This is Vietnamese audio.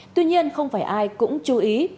tuy nhiên không phải ai cũng chú ý